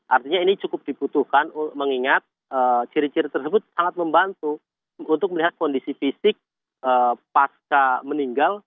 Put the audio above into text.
artinya ini cukup dibutuhkan mengingat ciri ciri tersebut sangat membantu untuk melihat kondisi fisik pasca meninggal